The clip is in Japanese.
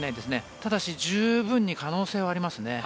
ただし、十分に可能性はありますね。